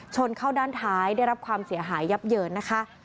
ชนเข้าด้านท้ายได้รับความเสียหายยับเยินนะคะ